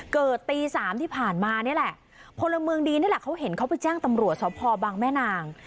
ตีสามที่ผ่านมานี่แหละพลเมืองดีนี่แหละเขาเห็นเขาไปแจ้งตำรวจสพบางแม่นาง